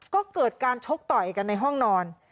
ก็เกิดการชกต่อยกันในห้องนอน